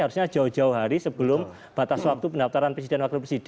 harusnya jauh jauh hari sebelum batas waktu pendaftaran presiden wakil presiden